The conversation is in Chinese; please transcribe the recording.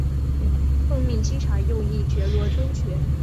奉命稽查右翼觉罗宗学。